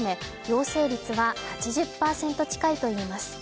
陽性率は８０％近いといいます。